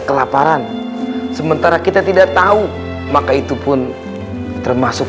kelaparan sementara kita tidak tahu maka itu pun termasuk